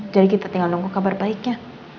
jadi kita tinggal nunggu kabar baiknya